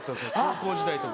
高校時代とか。